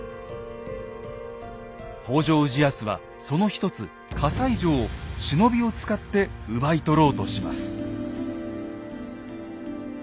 北条氏康はその一つ西城を忍びを使って奪い取ろうとします。